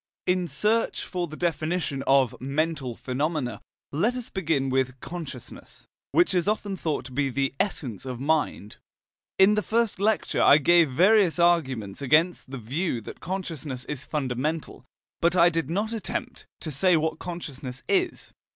In search for the definition of "mental phenomena," let us begin with "consciousness," which is often thought to be the essence of mind. In the first lecture I gave various arguments against the view that consciousness is fundamental, but I did not attempt to say what consciousness is.